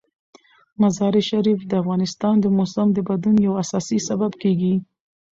مزارشریف د افغانستان د موسم د بدلون یو اساسي سبب کېږي.